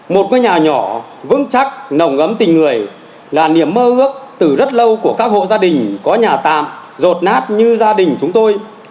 một cái nhà nhỏ vững chắc nồng ấm tình người là niềm mơ ước từ rất lâu của các hộ gia đình có nhà tạm rột nát như gia đình chúng tôi